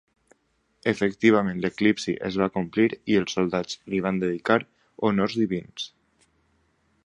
Efectivament l'eclipsi es va complir i els soldats li van dedicar honors divins.